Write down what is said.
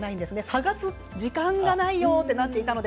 探す時間がないよとなっていたので。